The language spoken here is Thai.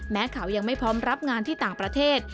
เขายังไม่พร้อมรับงานที่ต่างประเทศ